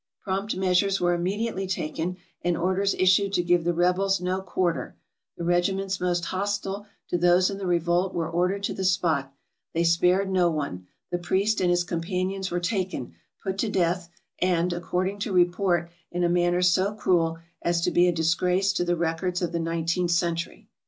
Prompt measures were immediately taken, and orders issued to give the rebels no quarter ; the regiments most hostile to those in the revolt were ordered to the spot ; they spared no one ; the priest and his companions were taken, put to death, and, according to report, in a manner so cruel as to be a disgrace to the records of the nineteenth century.